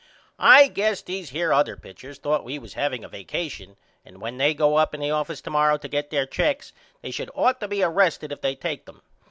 I guess these here other pitchers thought we was haveing a vacation and when they go up in the office to morrow to get there checks they should ought to be arrested if they take them.